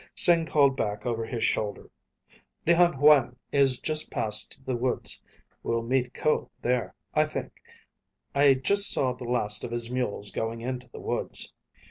Sing called back over his shoulder. "Llhan Huang is just past the woods. We'll meet Ko there, I think. I just saw the last of his mules going into the woods."